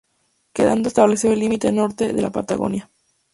Quedando establecido el límite norte de la Patagonia.